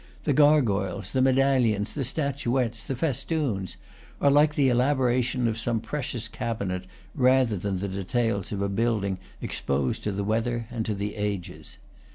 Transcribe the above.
The gargoyles, the medallions, the statuettes, the festoons, are like the elaboration of some precious cabinet rather than the details of a building exposed to the weather and to the ages.